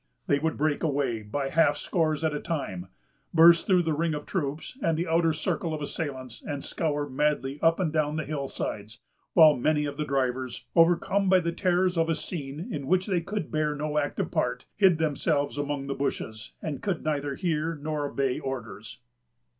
They would break away by half scores at a time, burst through the ring of troops and the outer circle of assailants, and scour madly up and down the hill sides; while many of the drivers, overcome by the terrors of a scene in which they could bear no active part, hid themselves among the bushes, and could neither hear nor obey orders.